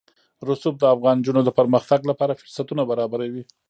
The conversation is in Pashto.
رسوب د افغان نجونو د پرمختګ لپاره فرصتونه برابروي.